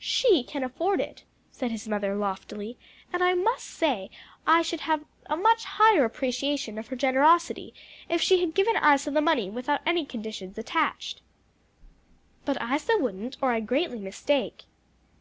"She can afford it," said his mother loftily, "and I must say I should have a much higher appreciation of her generosity if she had given Isa the money without any conditions attached." "But Isa wouldn't, or I greatly mistake."